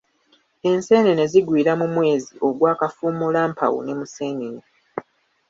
Enseenene zigwira mu mwezi ogwa Kafuumulampawu ne Museenene.